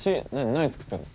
何作ってんの？